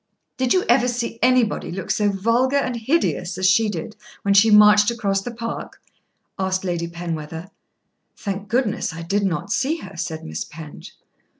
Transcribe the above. "Did you ever see anybody look so vulgar and hideous as she did when she marched across the park?" asked Lady Penwether. "Thank goodness I did not see her," said Miss Penge.